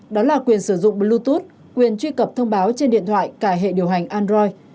đó là quyền sử dụng bluetooth quyền truy cập thông báo trên điện thoại cả hệ điều hành android